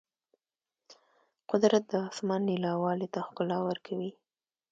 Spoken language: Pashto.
قدرت د اسمان نیلاوالي ته ښکلا ورکوي.